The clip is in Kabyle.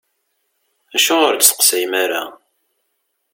Acuɣer ur d-testeqsayem ara?